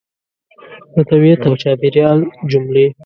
د طبیعت او چاپېریال جملې